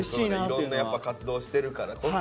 いろんな活動してるからこそ。